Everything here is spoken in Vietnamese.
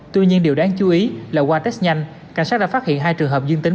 tuy nhiên điều đáng chú ý là qua test nhanh cảnh sát đã phát hiện hai trường hợp dương tính